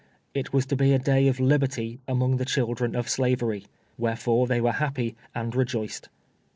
It was to be a day of liherty among the children of Slavery. Wherefore they were hapi)y, and rejoiced.